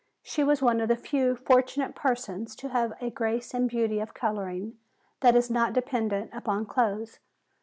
She was one of the few fortunate persons who have a grace and beauty of coloring that is not dependent upon clothes.